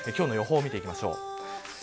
今日の予報を見ていきましょう。